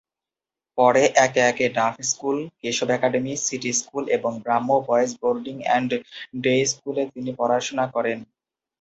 পরে একে একে Duff school, Keshab academy, city school এবং Brahmo boys boarding and day স্কুলে তিনি পড়াশুনা করেন।